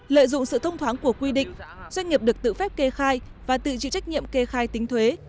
lợi dụng sự thông thoáng của quy định doanh nghiệp được tự phép kê khai và tự chịu trách nhiệm kê khai tính thuế